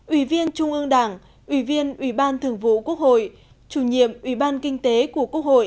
ủy viên trung ương đảng ủy viên ủy ban thường vụ quốc hội chủ nhiệm ủy ban kinh tế của quốc hội